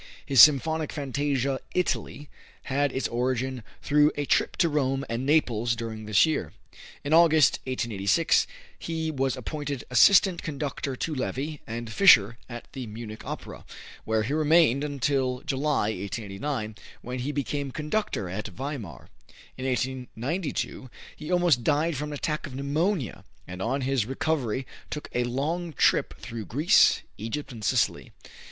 His symphonic fantasia, "Italy," had its origin through a trip to Rome and Naples during this year. In August, 1886, he was appointed assistant conductor to Levi and Fischer at the Munich Opera, where he remained until July, 1889, when he became conductor at Weimar. In 1892, he almost died from an attack of pneumonia, and on his recovery took a long trip through Greece, Egypt and Sicily.